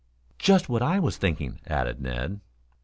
"Just what I was thinking," added Ned.